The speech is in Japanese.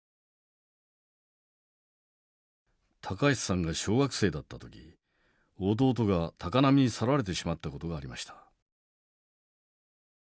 橋さんが小学生だった時弟が高波にさらわれてしまった事がありました。